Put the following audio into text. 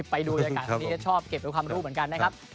ไปดูด้วยกันผมชอบเก็บลูกคำรู้เหมือนกัน